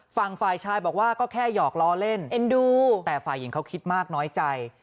ฝ่ายชายบอกว่าก็แค่หยอกล้อเล่นเอ็นดูแต่ฝ่ายหญิงเขาคิดมากน้อยใจ